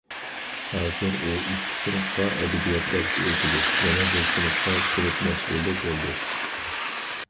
ھازىر ئۇ ئىككى سىنىپقا ئەدەبىيات دەرسى ئۆتىدۇ، يەنە بىر سىنىپقا سىنىپ مەسئۇلى بولدى.